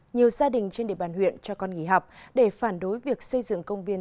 nhiều gia đình trên địa bàn huyện cho con nghỉ học để phản đối việc xây dựng công viên